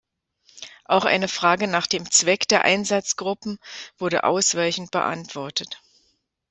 Auch eine Frage nach dem Zweck der Einsatzgruppen wurde ausweichend beantwortet.